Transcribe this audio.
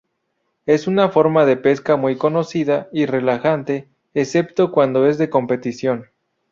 Es una forma de pesca muy conocida y relajante, excepto cuando es de competición.